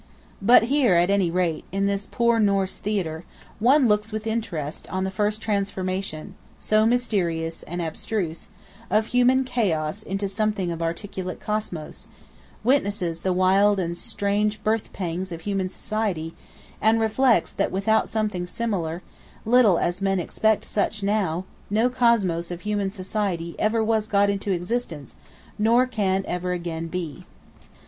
But here, at any rate, in this poor Norse theatre, one looks with interest on the first transformation, so mysterious and abstruse, of human Chaos into something of articulate Cosmos; witnesses the wild and strange birth pangs of Human Society, and reflects that without something similar (little as men expect such now), no Cosmos of human society ever was got into existence, nor can ever again be.